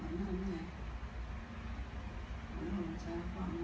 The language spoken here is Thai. อันนี้ก็ไม่มีเจ้าพ่อหรอก